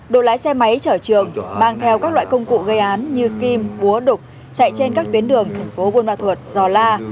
độ lái xe máy chở trường mang theo các loại công cụ gây án như kim búa đục chạy trên các tuyến đường tp bumathua giò la